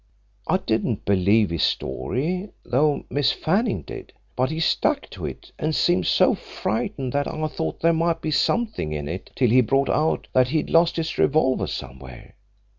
"I didn't believe his story, though Miss Fanning did, but he stuck to it and seemed so frightened that I thought there might be something in it till he brought out that he'd lost his revolver somewhere.